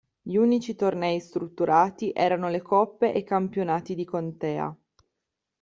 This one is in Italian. Gli unici tornei strutturati erano le Coppe e i Campionati di contea.